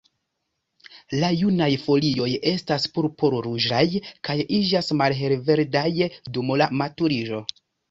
La junaj folioj estas purpur-ruĝaj, kaj iĝas malhelverdaj dum la maturiĝo.